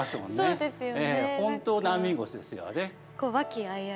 そうですよね。